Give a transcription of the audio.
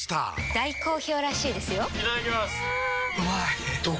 大好評らしいですよんうまい！